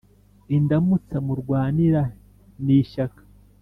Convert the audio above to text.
Indamutsa murwanira n ishyaka